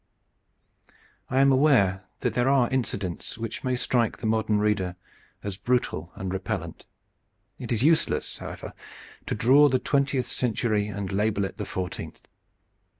I am aware that there are incidents which may strike the modern reader as brutal and repellent. It is useless, however, to draw the Twentieth Century and label it the Fourteenth.